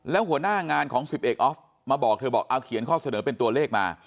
แล้วหัวหน้างานของ๑๑ออฟมาบอกเธอบอกเอาเขียนข้อเสนอเป็นตัวเลขมา